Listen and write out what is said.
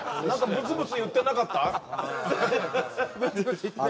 ブツブツ言ってないです